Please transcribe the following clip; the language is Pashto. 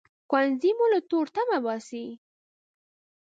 ښوونځی مو له تورتمه باسي